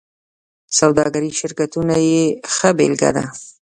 سوداګریز شرکتونه یې ښه بېلګه ده.